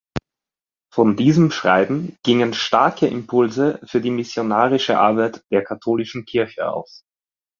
Von diesem Schreiben gingen starke Impulse für die missionarische Arbeit der Katholischen Kirche aus.